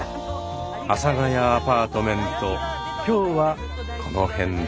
「阿佐ヶ谷アパートメント」今日はこの辺で。